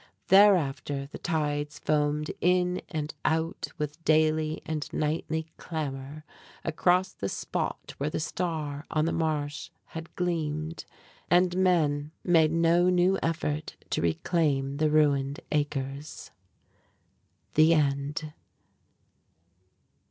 Thereafter the tides foamed in and out with daily and nightly clamor across the spot where the "Star on the Marsh" had gleamed; and men made no new effort to reclaim the ruined acres. THE END.